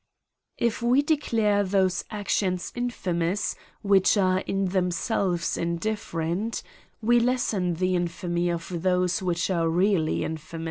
Ifwe de clare those actions infamous which are in them selves indifferent, we lessen the infamy of those which are really inf;\mous.